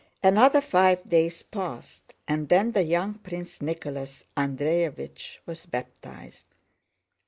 Another five days passed, and then the young Prince Nicholas Andréevich was baptized.